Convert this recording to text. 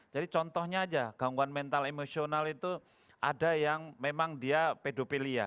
jadi contohnya aja gangguan mental emosional itu ada yang memang dia pedopilia